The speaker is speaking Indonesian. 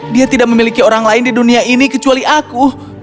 dia tidak memiliki orang lain di dunia ini kecuali aku